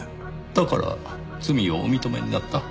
だから罪をお認めになった？